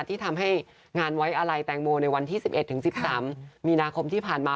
ที่ทำให้งานไว้อะไรแตงโมในวันที่๑๑๑๓มีนาคมที่ผ่านมา